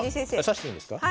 指していいんですか？